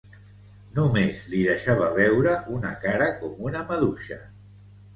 Només li deixava veure una cara com una maduixa